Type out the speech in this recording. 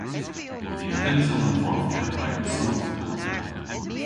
Ni a vynnsa ombrofya rag an soodh ma.